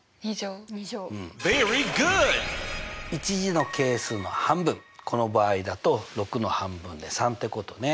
１次の係数の半分この場合だと６の半分で３ってことね。